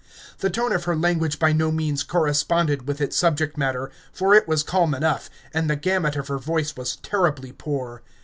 The tone of her language by no means corresponded with its subject matter, for it was calm enough, and the gamut of her voice was terribly poor.